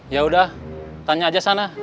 yaudah tanya aja sana